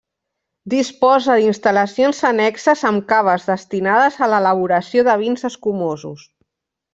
Disposa d'instal·lacions annexes amb caves destinades a l'elaboració de vins escumosos.